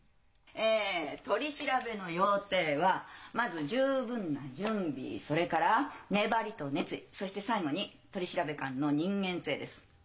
え取り調べの要諦はまず十分な準備それから粘りと熱意そして最後に取調官の人間性です。